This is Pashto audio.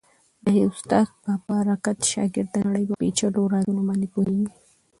د استاد په برکت شاګرد د نړۍ په پېچلو رازونو باندې پوهېږي.